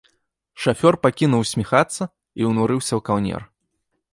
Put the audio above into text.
Шафёр пакінуў усміхацца і ўнурыўся ў каўнер.